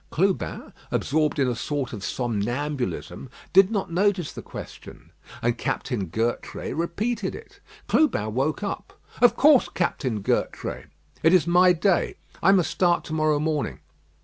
Clubin, absorbed in a sort of somnambulism, did not notice the question; and Captain Gertrais repeated it. Clubin woke up. "Of course, Captain Gertrais. It is my day. I must start to morrow morning."